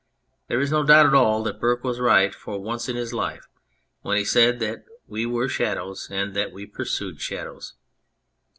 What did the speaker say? There is no doubt at all that Burke was right for once in his life when he said that we were shadows and that we pursued shadows.